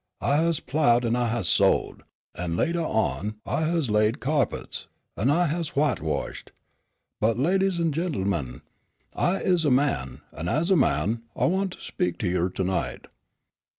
I has plowed an' I has sowed, an' latah on I has laid cyahpets, an' I has whitewashed. But, ladies an' gent'men, I is a man, an' as a man I want to speak to you ter night.